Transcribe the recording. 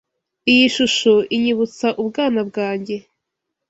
Iyi shusho inyibutsa ubwana bwanjye.